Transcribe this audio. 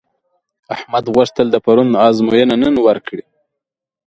احمد غوښتل د پرون ازموینه نن ورکړي.